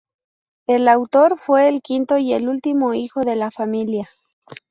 El autor fue el quinto y último hijo de la familia.